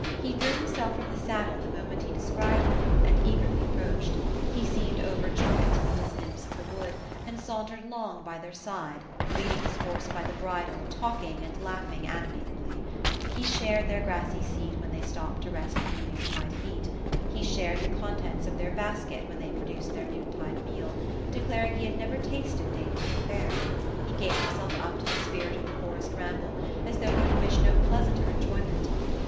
He threw himself from the saddle the moment he descried them, and eagerly approached. He seemed overjoyed to meet his nymphs of the wood, and sauntered long by their side, leading his horse by the bridle, talking and laughing animatedly, lie shared their grassy seat, when they stopped to rest from the noontide heat; he shared the contents of their basket, when they produced their noontide meal, declaring he had never tasted daintier fare ; he gave himself up to the spirit of the forest ramble, as though he could wish no pleasanter enjoyment.